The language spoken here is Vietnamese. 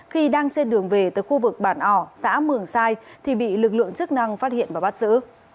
khi đang trên đường về từ khu vực bản ỏ xã mường sai thì bị lực lượng chức năng phát hiện và bắt giữ